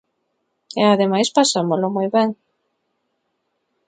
E ademais pasámolo moi ben!